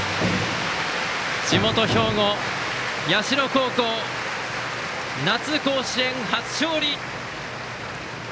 地元・兵庫、社高校夏の甲子園、初勝利！